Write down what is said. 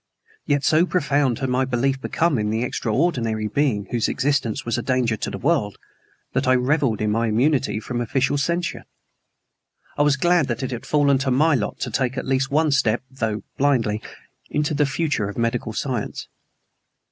Yet so profound had my belief become in the extraordinary being whose existence was a danger to the world that I reveled in my immunity from official censure. I was glad that it had fallen to my lot to take at least one step though blindly into the FUTURE of medical science.